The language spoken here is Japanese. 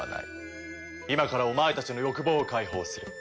今からお前たちの欲望を解放する。